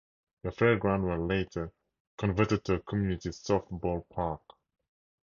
The fairgrounds were later converted to a community softball park.